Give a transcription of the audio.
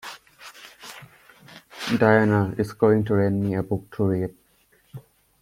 Diana is going to lend me a book to read.